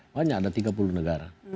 banyak ada tiga puluh negara